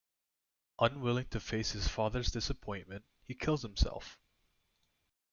Unwilling to face his father's disappointment, he kills himself.